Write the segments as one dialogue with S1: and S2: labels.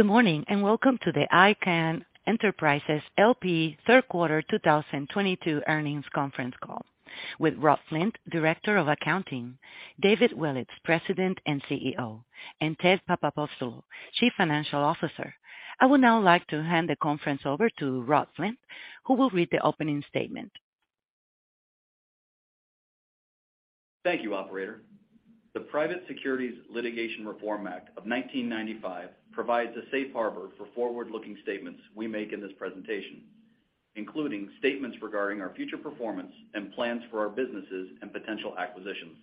S1: Good morning, and welcome to the Icahn Enterprises L.P. third quarter 2022 earnings conference call with Robert Flint, Director of Accounting, David Willetts, President and CEO, and Ted Papapostolou, Chief Financial Officer. I would now like to hand the conference over to Robert Flint, who will read the opening statement.
S2: Thank you, operator. The Private Securities Litigation Reform Act of 1995 provides a safe harbor for forward-looking statements we make in this presentation, including statements regarding our future performance and plans for our businesses and potential acquisitions.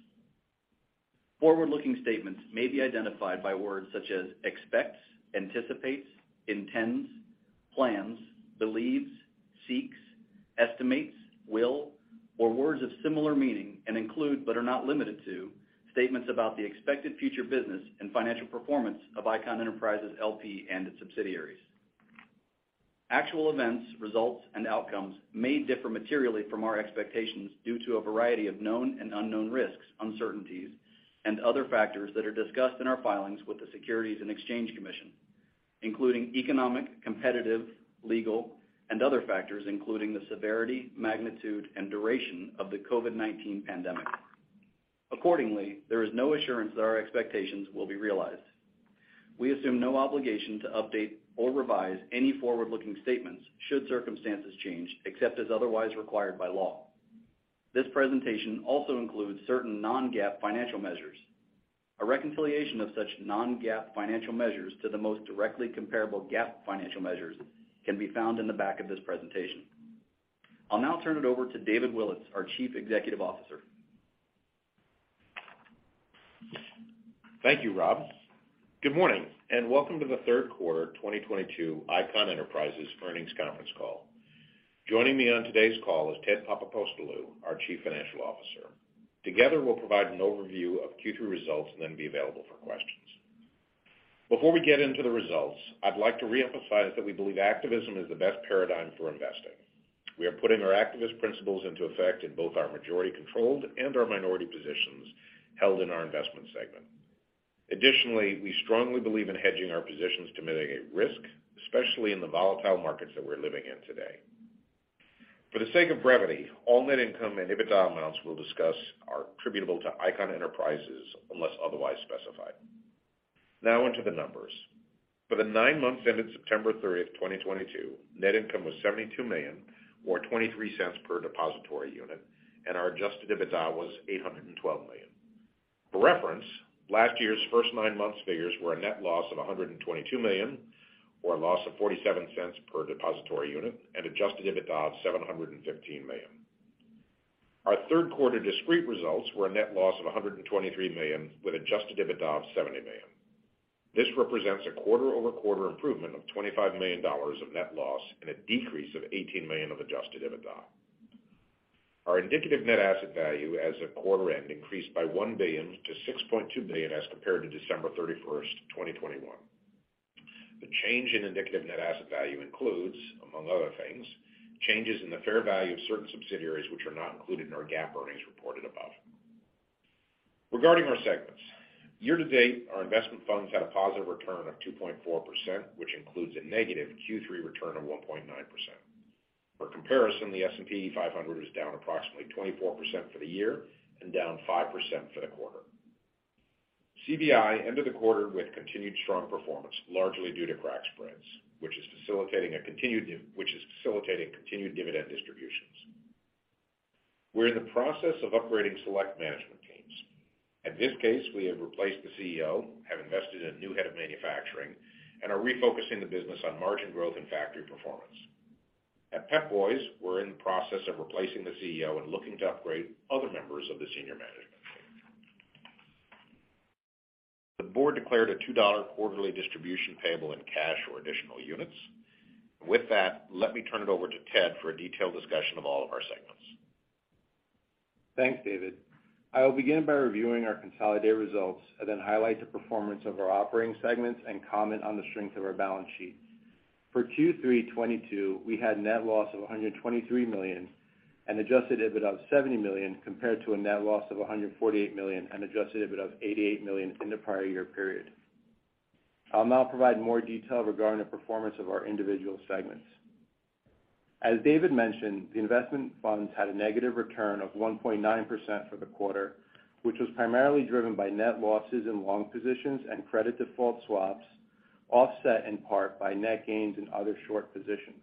S2: Forward-looking statements may be identified by words such as expects, anticipates, intends, plans, believes, seeks, estimates, will, or words of similar meaning, and include, but are not limited to, statements about the expected future business and financial performance of Icahn Enterprises L.P. and its subsidiaries. Actual events, results, and outcomes may differ materially from our expectations due to a variety of known and unknown risks, uncertainties, and other factors that are discussed in our filings with the Securities and Exchange Commission, including economic, competitive, legal and other factors, including the severity, magnitude, and duration of the COVID-19 pandemic. Accordingly, there is no assurance that our expectations will be realized. We assume no obligation to update or revise any forward-looking statements should circumstances change, except as otherwise required by law. This presentation also includes certain non-GAAP financial measures. A reconciliation of such non-GAAP financial measures to the most directly comparable GAAP financial measures can be found in the back of this presentation. I'll now turn it over to David Willetts, our Chief Executive Officer.
S3: Thank you, Rob. Good morning, and welcome to the third quarter 2022 Icahn Enterprises earnings conference call. Joining me on today's call is Ted Papapostolou, our Chief Financial Officer. Together, we'll provide an overview of Q3 results, and then be available for questions. Before we get into the results, I'd like to reemphasize that we believe activism is the best paradigm for investing. We are putting our activist principles into effect in both our majority-controlled and our minority positions held in our investment segment. Additionally, we strongly believe in hedging our positions to mitigate risk, especially in the volatile markets that we're living in today. For the sake of brevity, all net income and EBITDA amounts we'll discuss are attributable to Icahn Enterprises unless otherwise specified. Now onto the numbers. For the nine months ended September 30, 2022, net income was $72 million, or $0.23 per depositary unit, and our adjusted EBITDA was $812 million. For reference, last year's first nine months figures were a net loss of $122 million, or a loss of $0.47 per depositary unit, and adjusted EBITDA of $715 million. Our third quarter discrete results were a net loss of $123 million with adjusted EBITDA of $70 million. This represents a quarter-over-quarter improvement of $25 million of net loss and a decrease of $18 million of adjusted EBITDA. Our indicative net asset value as of quarter end increased by $1 billion to $6.2 billion as compared to December 31st, 2021. The change in indicative net asset value includes, among other things, changes in the fair value of certain subsidiaries which are not included in our GAAP earnings reported above. Regarding our segments, year-to-date, our investment funds had a positive return of 2.4%, which includes a negative Q3 return of 1.9%. For comparison, the S&P 500 is down approximately 24% for the year and down 5% for the quarter. CVR ended the quarter with continued strong performance, largely due to crack spreads, which is facilitating continued dividend distributions. We're in the process of upgrading select management teams. In this case, we have replaced the CEO, have invested in a new head of manufacturing, and are refocusing the business on margin growth and factory performance. At Pep Boys, we're in the process of replacing the CEO and looking to upgrade other members of the senior management team. The board declared a $2 quarterly distribution payable in cash or additional units. With that, let me turn it over to Ted for a detailed discussion of all of our segments.
S4: Thanks, David. I will begin by reviewing our consolidated results and then highlight the performance of our operating segments and comment on the strength of our balance sheets. For Q3 2022, we had net loss of $123 million and adjusted EBITDA of $70 million compared to a net loss of $148 million and adjusted EBITDA of $88 million in the prior year period. I'll now provide more detail regarding the performance of our individual segments. As David mentioned, the investment funds had a negative return of 1.9% for the quarter, which was primarily driven by net losses in long positions and credit default swaps, offset in part by net gains in other short positions.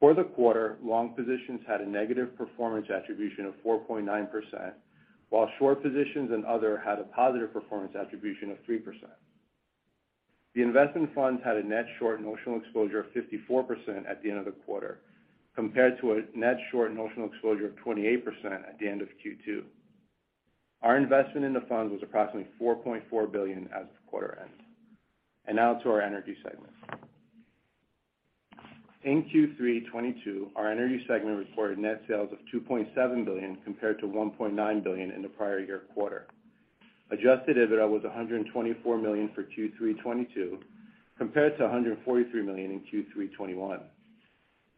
S4: For the quarter, long positions had a negative performance attribution of 4.9%, while short positions and other had a positive performance attribution of 3%. The investment funds had a net short notional exposure of 54% at the end of the quarter, compared to a net short notional exposure of 28% at the end of Q2. Our investment in the fund was approximately $4.4 billion as of quarter end. Now to our energy segment. In Q3 2022, our energy segment reported net sales of $2.7 billion compared to $1.9 billion in the prior year quarter. Adjusted EBITDA was $124 million for Q3 2022 compared to $143 million in Q3 2021.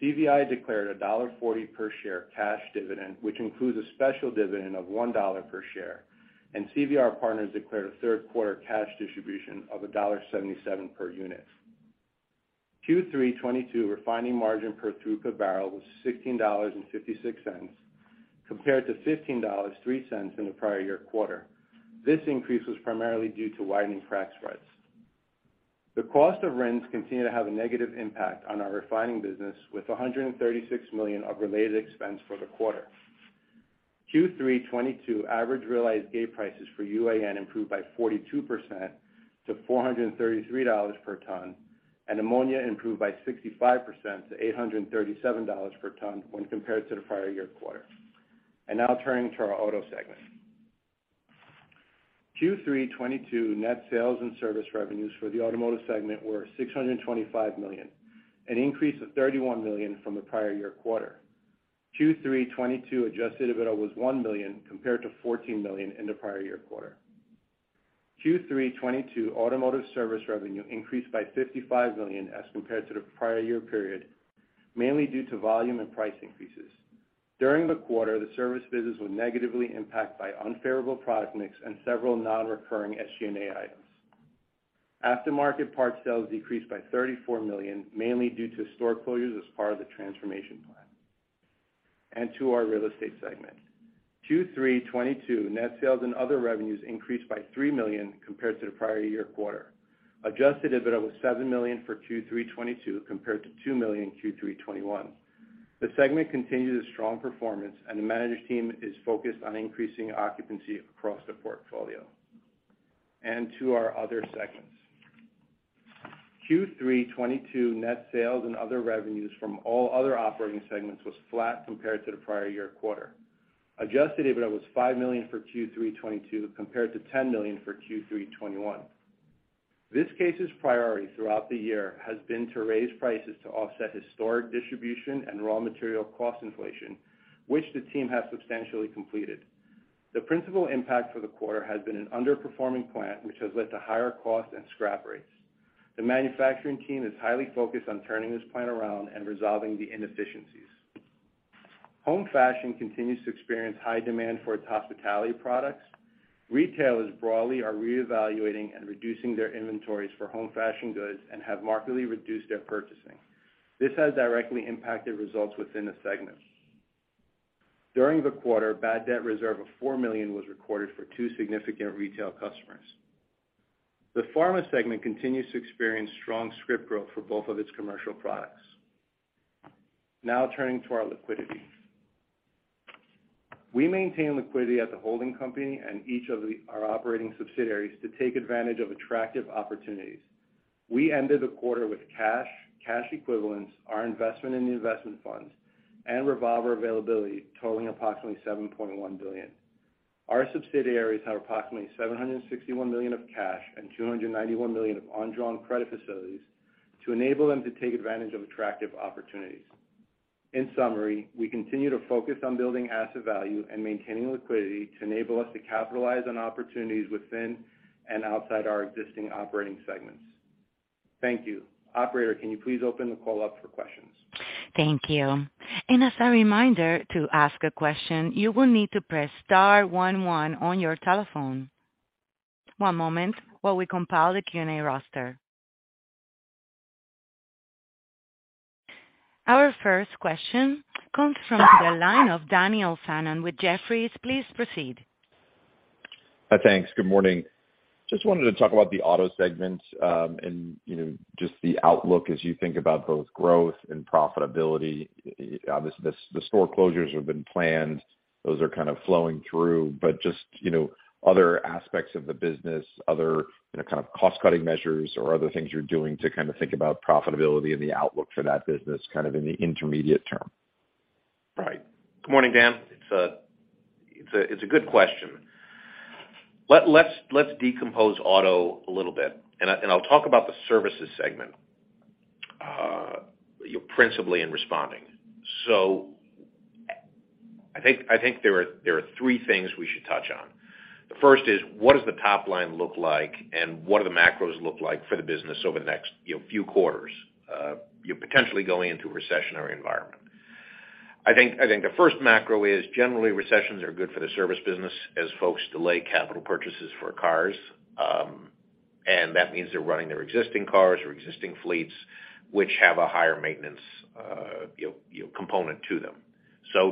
S4: CVR declared a $1.40 per share cash dividend, which includes a special dividend of $1 per share, and CVR Partners declared a third quarter cash distribution of $1.77 per unit. Q3 2022 refining margin per throughput barrel was $16.56, compared to $15.03 in the prior year quarter. This increase was primarily due to widening crack spreads. The cost of RINs continue to have a negative impact on our refining business, with $136 million of related expense for the quarter. Q3 2022 average realized gate prices for UAN improved by 42% to $433 per ton, and ammonia improved by 65% to $837 per ton when compared to the prior year quarter. Now turning to our auto segment. Q3 2022 net sales and service revenues for the automotive segment were $625 million, an increase of $31 million from the prior year quarter. Q3 2022 adjusted EBITDA was $1 million, compared to $14 million in the prior year quarter. Q3 2022 automotive service revenue increased by $55 million as compared to the prior year period, mainly due to volume and price increases. During the quarter, the service business was negatively impacted by unfavorable product mix and several non-recurring SG&A items. Aftermarket parts sales decreased by $34 million, mainly due to store closures as part of the transformation plan. To our real estate segment. Q3 2022 net sales and other revenues increased by $3 million compared to the prior year quarter. Adjusted EBITDA was $7 million for Q3 2022 compared to $2 million in Q3 2021. The segment continues strong performance, and the managed team is focused on increasing occupancy across the portfolio. To our other segments. Q3 2022 net sales and other revenues from all other operating segments was flat compared to the prior year quarter. Adjusted EBITDA was $5 million for Q3 2022 compared to $10 million for Q3 2021. Viskase's priority throughout the year has been to raise prices to offset historic distribution and raw material cost inflation, which the team has substantially completed. The principal impact for the quarter has been an underperforming plant, which has led to higher costs and scrap rates. The manufacturing team is highly focused on turning this plant around and resolving the inefficiencies. Home fashion continues to experience high demand for its hospitality products. Retailers broadly are reevaluating and reducing their inventories for home fashion goods and have markedly reduced their purchasing. This has directly impacted results within the segment. During the quarter, bad debt reserve of $4 million was recorded for two significant retail customers. The pharma segment continues to experience strong script growth for both of its commercial products. Now turning to our liquidity. We maintain liquidity as a holding company and each of our operating subsidiaries to take advantage of attractive opportunities. We ended the quarter with cash equivalents, our investment in the investment funds, and revolver availability totaling approximately $7.1 billion. Our subsidiaries have approximately $761 million of cash and $291 million of undrawn credit facilities to enable them to take advantage of attractive opportunities. In summary, we continue to focus on building asset value and maintaining liquidity to enable us to capitalize on opportunities within and outside our existing operating segments. Thank you. Operator, can you please open the call up for questions?
S1: Thank you. As a reminder, to ask a question, you will need to press star one one on your telephone. One moment while we compile the Q&A roster. Our first question comes from the line of Daniel Fannon with Jefferies. Please proceed.
S5: Thanks. Good morning. Just wanted to talk about the auto segment, and, you know, just the outlook as you think about both growth and profitability. Obviously, the store closures have been planned. Those are kind of flowing through. Just, you know, other aspects of the business, other, you know, kind of cost-cutting measures or other things you're doing to kind of think about profitability and the outlook for that business kind of in the intermediate term.
S3: Right. Good morning, Dan. It's a good question. Let's decompose auto a little bit, and I'll talk about the services segment, you know, principally in responding. I think there are three things we should touch on. The first is, what does the top line look like, and what do the macros look like for the business over the next, you know, few quarters, you know, potentially going into a recessionary environment? I think the first macro is generally recessions are good for the service business as folks delay capital purchases for cars, and that means they're running their existing cars or existing fleets, which have a higher maintenance, you know, component to them.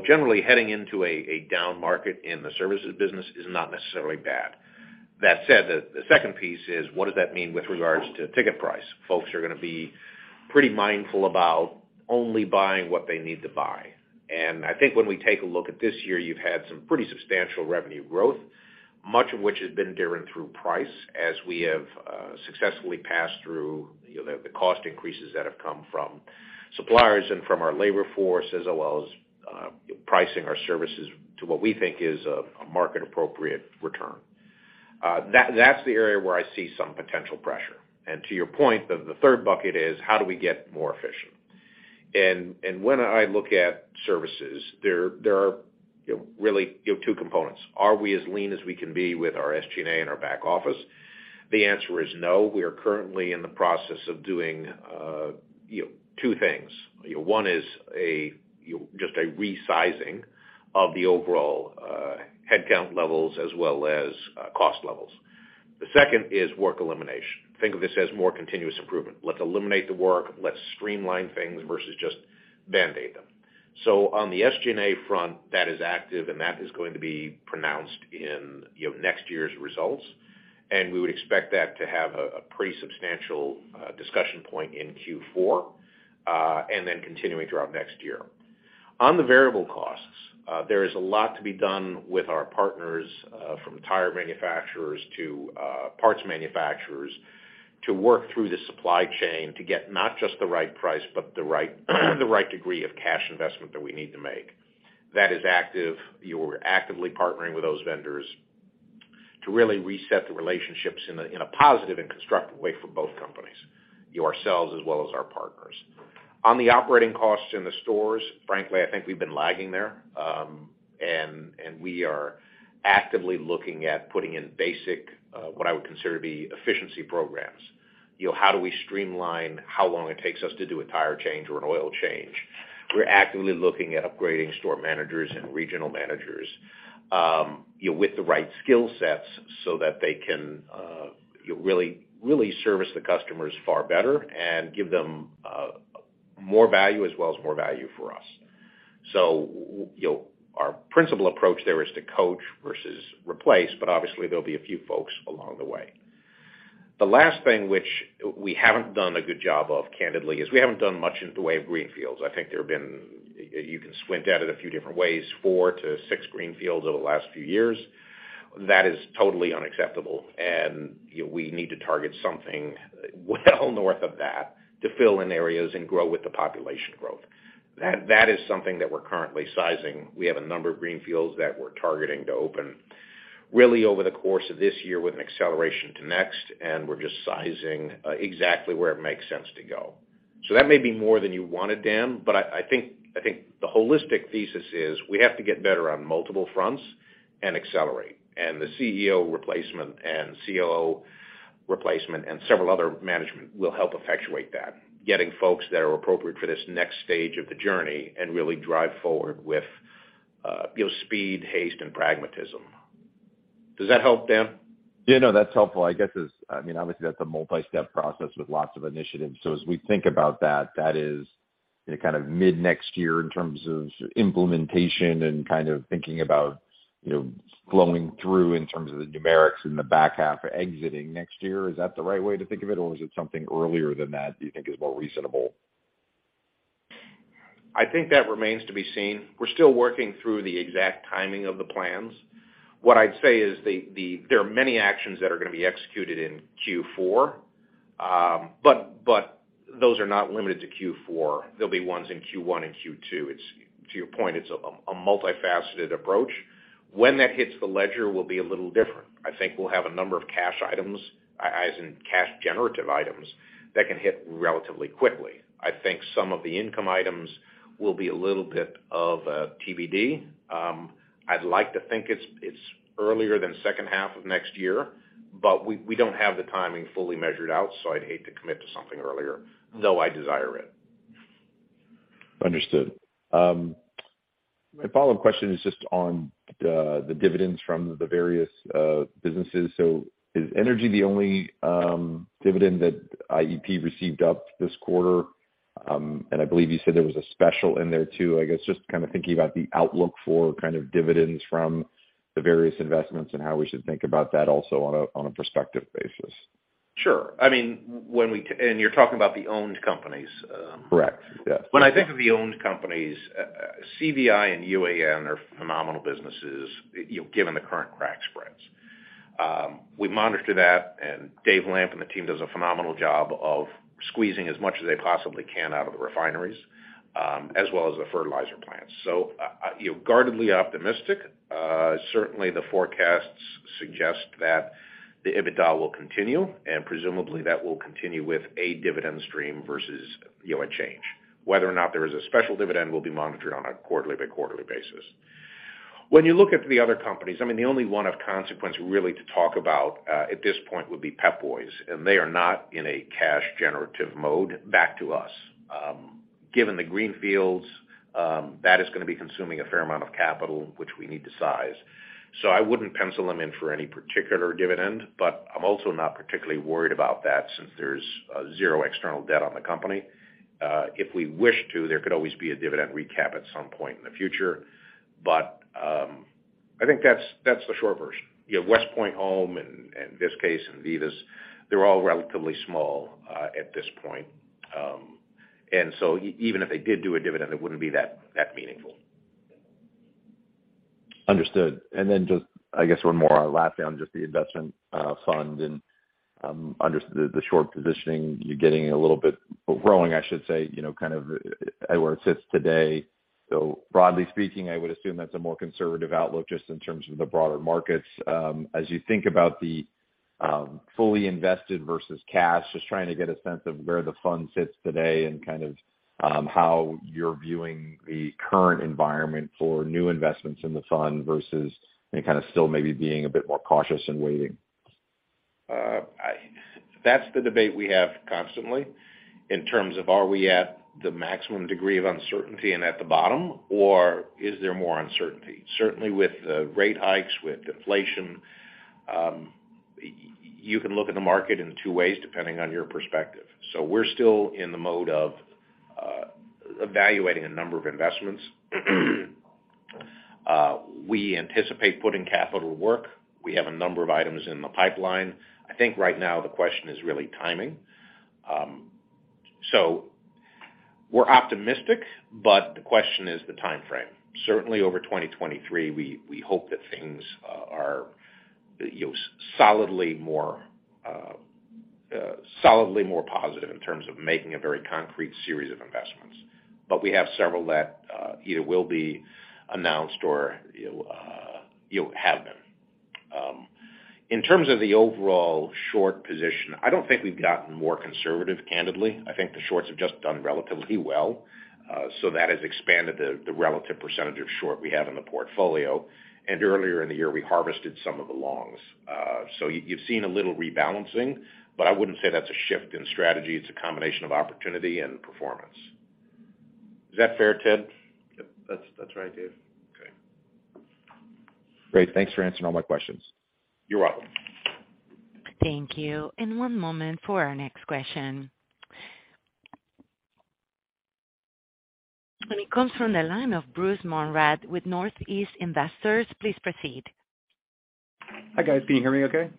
S3: Generally, heading into a down market in the services business is not necessarily bad. That said, the second piece is what does that mean with regards to ticket price? Folks are gonna be pretty mindful about only buying what they need to buy. I think when we take a look at this year, you've had some pretty substantial revenue growth, much of which has been driven through price as we have successfully passed through, you know, the cost increases that have come from suppliers and from our labor force, as well as pricing our services to what we think is a market-appropriate return. That's the area where I see some potential pressure. To your point, the third bucket is how do we get more efficient? When I look at services, there are really, you have two components. Are we as lean as we can be with our SG&A and our back office? The answer is no. We are currently in the process of doing, you know, two things. One is just a resizing of the overall headcount levels as well as cost levels. The second is work elimination. Think of this as more continuous improvement. Let's eliminate the work. Let's streamline things versus just Band-Aid them. On the SG&A front, that is active, and that is going to be pronounced in, you know, next year's results, and we would expect that to have a pretty substantial discussion point in Q4, and then continuing throughout next year. On the variable costs, there is a lot to be done with our partners, from tire manufacturers to parts manufacturers to work through the supply chain to get not just the right price, but the right degree of cash investment that we need to make. That is active. We're actively partnering with those vendors to really reset the relationships in a positive and constructive way for both companies, ourselves as well as our partners. On the operating costs in the stores, frankly, I think we've been lagging there. We are actively looking at putting in basic, what I would consider to be efficiency programs. You know, how do we streamline how long it takes us to do a tire change or an oil change? We're actively looking at upgrading store managers and regional managers with the right skill sets so that they can really, really service the customers far better and give them more value as well as more value for us. Our principal approach there is to coach versus replace, but obviously there'll be a few folks along the way. The last thing which we haven't done a good job of, candidly, is we haven't done much in the way of greenfields. I think there have been, you can squint at it a few different ways, four to six greenfields over the last few years. That is totally unacceptable, and, you know, we need to target something well north of that to fill in areas and grow with the population growth. That is something that we're currently sizing. We have a number of greenfields that we're targeting to open really over the course of this year with an acceleration to next, and we're just sizing exactly where it makes sense to go. So that may be more than you wanted, Dan, but I think the holistic thesis is we have to get better on multiple fronts and accelerate. The CEO replacement and COO replacement and several other management will help effectuate that, getting folks that are appropriate for this next stage of the journey and really drive forward with, you know, speed, haste, and pragmatism. Does that help, Dan?
S5: Yeah, no, that's helpful. I guess it's, I mean, obviously, that's a multi-step process with lots of initiatives. As we think about that is kind of mid-next year in terms of implementation and kind of thinking about, you know, flowing through in terms of the numerics in the back half exiting next year. Is that the right way to think of it, or is it something earlier than that do you think is more reasonable?
S3: I think that remains to be seen. We're still working through the exact timing of the plans. What I'd say is there are many actions that are gonna be executed in Q4, but those are not limited to Q4. There'll be ones in Q1 and Q2. It's, to your point, a multifaceted approach. When that hits the ledger will be a little different. I think we'll have a number of cash items, as in cash generative items, that can hit relatively quickly. I think some of the income items will be a little bit of a TBD. I'd like to think it's earlier than second half of next year, but we don't have the timing fully measured out, so I'd hate to commit to something earlier, though I desire it.
S5: Understood. My follow-up question is just on the dividends from the various businesses. Is energy the only dividend that IEP received up this quarter? I believe you said there was a special in there, too. I guess, just kind of thinking about the outlook for kind of dividends from the various investments and how we should think about that also on a prospective basis.
S3: Sure. I mean, you're talking about the owned companies.
S5: Correct. Yeah.
S3: When I think of the owned companies, CVR and UAN are phenomenal businesses, you know, given the current crack spreads. We monitor that, and Dave Lamp and the team does a phenomenal job of squeezing as much as they possibly can out of the refineries, as well as the fertilizer plants. You know, guardedly optimistic. Certainly the forecasts suggest that the EBITDA will continue, and presumably that will continue with a dividend stream versus, you know, a change. Whether or not there is a special dividend will be monitored on a quarter-by-quarter basis. When you look at the other companies, I mean, the only one of consequence really to talk about at this point would be Pep Boys, and they are not in a cash generative mode back to us. Given the greenfields, that is gonna be consuming a fair amount of capital, which we need to size. I wouldn't pencil them in for any particular dividend, but I'm also not particularly worried about that since there's zero external debt on the company. If we wish to, there could always be a dividend recap at some point in the future. I think that's the short version. You know, WestPoint Home and Viskase and Vivus, they're all relatively small at this point. Even if they did do a dividend, it wouldn't be that meaningful.
S5: Understood. Then just, I guess, one more on Ladan, just the investment fund and under the short positioning, you're getting a little bit growing, I should say, you know, kind of where it sits today. Broadly speaking, I would assume that's a more conservative outlook just in terms of the broader markets. As you think about the fully invested versus cash. Just trying to get a sense of where the fund sits today and kind of how you're viewing the current environment for new investments in the fund versus and kind of still maybe being a bit more cautious and waiting.
S3: That's the debate we have constantly in terms of are we at the maximum degree of uncertainty and at the bottom, or is there more uncertainty? Certainly with rate hikes, with inflation, you can look at the market in two ways depending on your perspective. We're still in the mode of evaluating a number of investments. We anticipate putting capital to work. We have a number of items in the pipeline. I think right now the question is really timing. We're optimistic, but the question is the timeframe. Certainly over 2023, we hope that things are, you know, solidly more positive in terms of making a very concrete series of investments. But we have several that either will be announced or, you know, have been. In terms of the overall short position, I don't think we've gotten more conservative, candidly. I think the shorts have just done relatively well. So that has expanded the relative percentage of short we have in the portfolio. Earlier in the year, we harvested some of the longs. So you've seen a little rebalancing, but I wouldn't say that's a shift in strategy. It's a combination of opportunity and performance. Is that fair, Ted?
S4: Yep, that's right, Dave. Okay.
S5: Great. Thanks for answering all my questions.
S3: You're welcome.
S1: Thank you. One moment for our next question. It comes from the line of Bruce Monrad with Northeast Investors. Please proceed.
S6: Hi, guys. Can you hear me okay?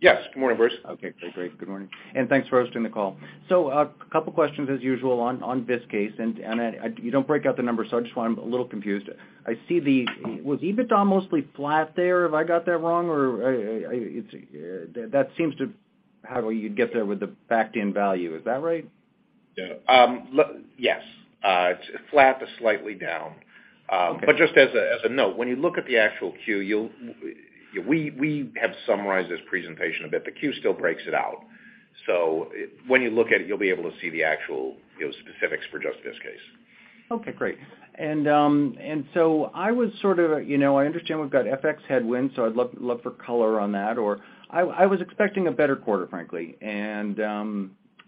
S3: Yes. Good morning, Bruce.
S6: Okay, great. Good morning, and thanks for hosting the call. A couple questions as usual on Viskase. You don't break out the numbers, so I'm a little confused. Was EBITDA mostly flat there? Have I got that wrong? Or it's that seems to how you'd get there with the backed-in value. Is that right?
S3: Yes. It's flat to slightly down. But just as a note, when you look at the actual Q, we have summarized this presentation a bit. The Q still breaks it out. When you look at it, you'll be able to see the actual, you know, specifics for just this case.
S6: Okay, great. I was sort of, you know, I understand we've got FX headwinds, so I'd love for color on that. I was expecting a better quarter, frankly. I guess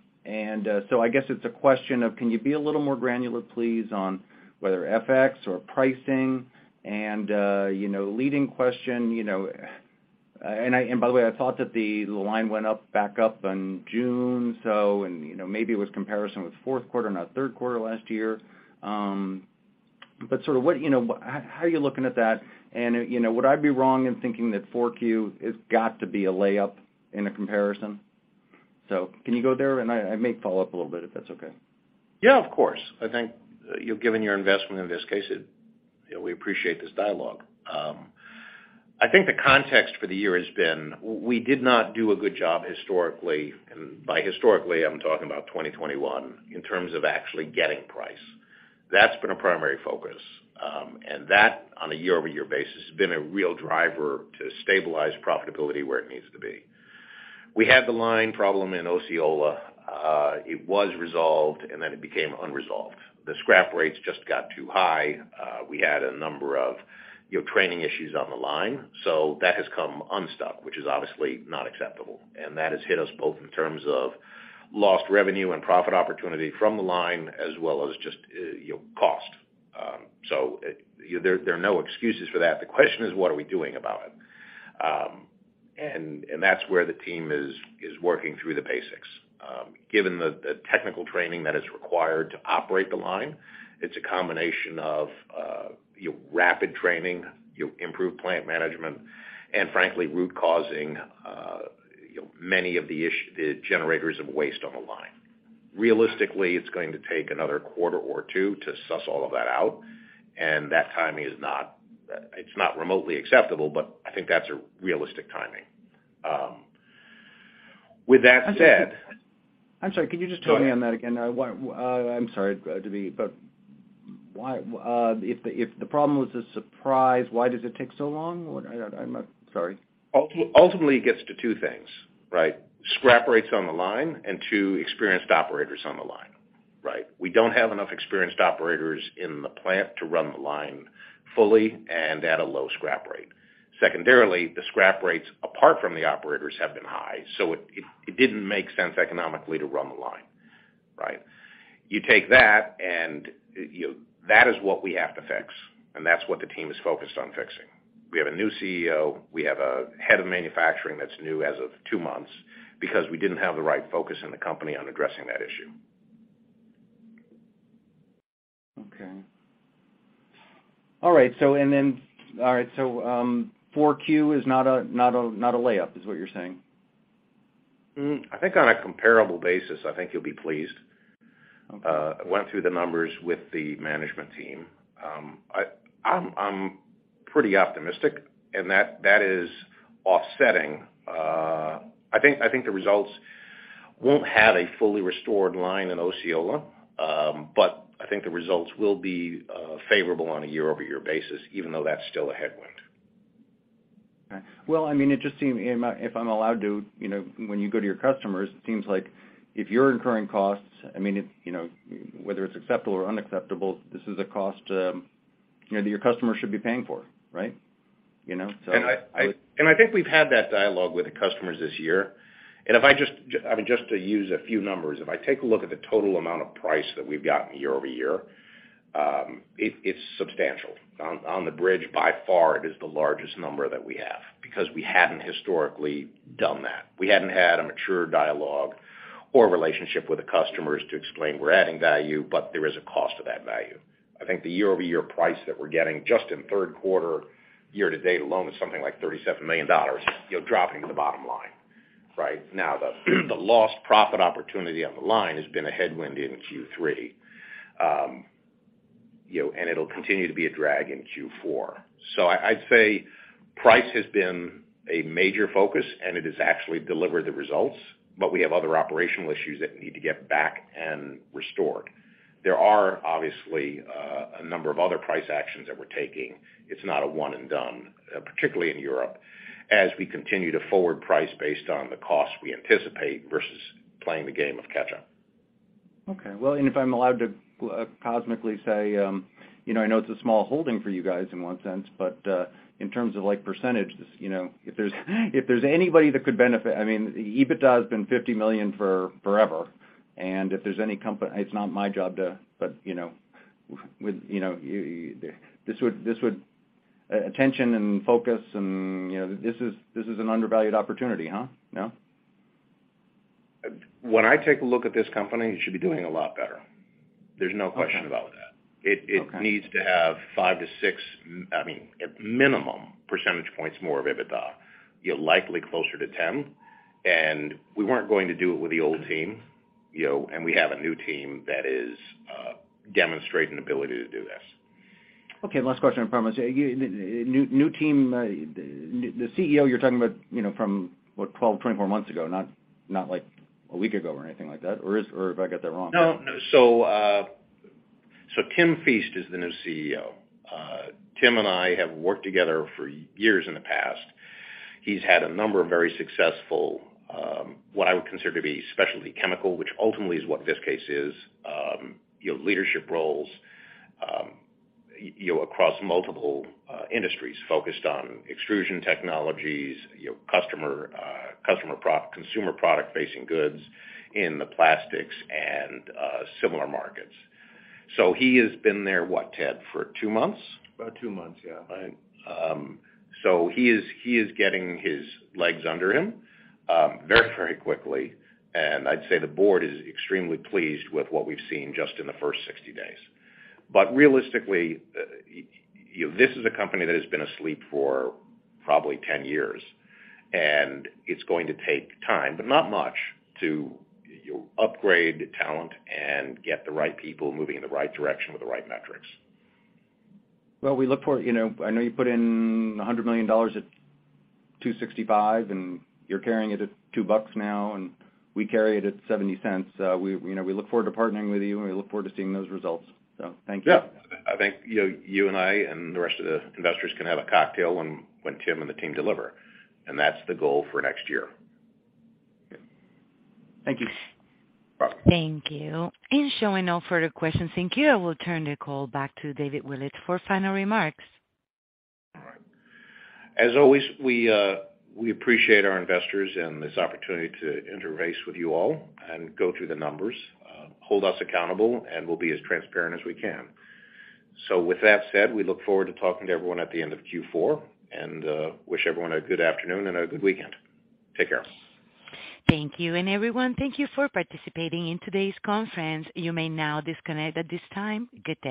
S6: it's a question of, can you be a little more granular, please, on whether FX or pricing and, you know, leading question, you know. By the way, I thought that the line went up, back up in June, so, you know, maybe it was comparison with fourth quarter, not third quarter last year. Sort of what, you know. How are you looking at that? Would I be wrong in thinking that 4Q has got to be a layup in a comparison? Can you go there? I may follow up a little bit, if that's okay.
S3: Yeah, of course. I think you've given your investment in Viskase. You know, we appreciate this dialogue. I think the context for the year has been we did not do a good job historically, and by historically, I'm talking about 2021, in terms of actually getting price. That's been a primary focus. That, on a year-over-year basis, has been a real driver to stabilize profitability where it needs to be. We had the line problem in Osceola. It was resolved, and then it became unresolved. The scrap rates just got too high. We had a number of, you know, training issues on the line, so that has come unstuck, which is obviously not acceptable. That has hit us both in terms of lost revenue and profit opportunity from the line as well as just, you know, cost. You know, there are no excuses for that. The question is, what are we doing about it? That's where the team is working through the basics. Given the technical training that is required to operate the line, it's a combination of you know, rapid training, you know, improved plant management, and frankly, root causing you know, many of the generators of waste on the line. Realistically, it's going to take another quarter or two to suss all of that out, and that timing is not remotely acceptable, but I think that's a realistic timing. With that said.
S6: I'm sorry, could you just join me on that again? I'm sorry to be, but why, if the problem was a surprise, why does it take so long? I'm sorry.
S3: Ultimately, it gets to two things, right? Scrap rates on the line, and two, experienced operators on the line, right? We don't have enough experienced operators in the plant to run the line fully and at a low scrap rate. Secondarily, the scrap rates apart from the operators have been high, so it didn't make sense economically to run the line, right? You take that and, you know, that is what we have to fix, and that's what the team is focused on fixing. We have a new CEO. We have a head of manufacturing that's new as of two months because we didn't have the right focus in the company on addressing that issue.
S6: Okay. All right. All right, 4Q is not a layup, is what you're saying?
S3: I think on a comparable basis, I think you'll be pleased.
S6: Okay.
S3: I went through the numbers with the management team. I'm pretty optimistic, and that is offsetting. I think the results won't have a fully restored line in Osceola, but I think the results will be favorable on a year-over-year basis, even though that's still a headwind.
S6: Well, I mean, it just seems, if I'm allowed to, you know, when you go to your customers, it seems like if you're incurring costs, I mean, it, you know, whether it's acceptable or unacceptable, this is a cost, you know, that your customers should be paying for, right? You know.
S3: I think we've had that dialogue with the customers this year. If I just—I mean, just to use a few numbers, if I take a look at the total amount of price that we've gotten year-over-year, it's substantial. On the bridge, by far, it is the largest number that we have because we hadn't historically done that. We hadn't had a mature dialogue or relationship with the customers to explain we're adding value, but there is a cost to that value. I think the year-over-year price that we're getting just in third quarter year to date alone is something like $37 million, you're dropping to the bottom line. Right? Now, the lost profit opportunity on the line has been a headwind in Q3. You know, it'll continue to be a drag in Q4. I’d say price has been a major focus, and it has actually delivered the results, but we have other operational issues that need to get back and restored. There are obviously a number of other price actions that we’re taking. It’s not a one and done, particularly in Europe, as we continue to forward price based on the cost we anticipate versus playing the game of catch up.
S6: Okay. Well, if I'm allowed to cosmically say, you know, I know it's a small holding for you guys in one sense, but in terms of, like, percentages, you know, if there's anybody that could benefit, I mean, EBITDA has been $50 million for forever. If there's any company. It's not my job to, but you know with you know attention and focus and you know this is an undervalued opportunity, huh? No?
S3: When I take a look at this company, it should be doing a lot better. There's no question about that.
S6: Okay.
S3: It needs to have five to six, I mean, minimum percentage points more of EBITDA, yet likely closer to 10. We weren't going to do it with the old team, you know, and we have a new team that is demonstrating ability to do this.
S6: Okay, last question, I promise. New team, the CEO you're talking about, you know, from what? 12-24 months ago, not like a week ago or anything like that. Or have I got that wrong?
S3: No. Timothy Feast is the new CEO. Tim and I have worked together for years in the past. He's had a number of very successful, what I would consider to be specialty chemical, which ultimately is what this case is, you know, leadership roles, you know, across multiple industries focused on extrusion technologies, you know, customer pro-consumer product facing goods in the plastics and similar markets. He has been there, what, Ted, for two months?
S4: About two months, yeah.
S3: He is getting his legs under him very, very quickly. I'd say the board is extremely pleased with what we've seen just in the first 60 days. Realistically, you know, this is a company that has been asleep for probably 10 years, and it's going to take time, but not much to upgrade talent and get the right people moving in the right direction with the right metrics.
S6: You know, I know you put in $100 million at $2.65, and you're carrying it at $2 now, and we carry it at $0.70. We, you know, we look forward to partnering with you, and we look forward to seeing those results. Thank you.
S3: Yeah. I think, you know, you and I and the rest of the investors can have a cocktail when Tim and the team deliver, and that's the goal for next year.
S6: Thank you.
S3: Bye-bye.
S1: Thank you. Showing no further questions in queue, I will turn the call back to David Willetts for final remarks.
S3: All right. As always, we appreciate our investors and this opportunity to interface with you all and go through the numbers, hold us accountable, and we'll be as transparent as we can. With that said, we look forward to talking to everyone at the end of Q4 and wish everyone a good afternoon and a good weekend. Take care.
S1: Thank you. Everyone, thank you for participating in today's conference. You may now disconnect at this time. Good day.